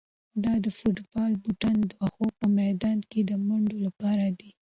دا د فوټبال بوټان د واښو په میدان کې د منډو لپاره دي.